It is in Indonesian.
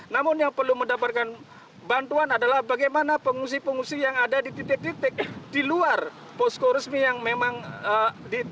namun yang perlu mendapatkan bantuan adalah bagaimana pengungsi pengungsi yang ada di titik titik di luar posko resmi yang memang diperlukan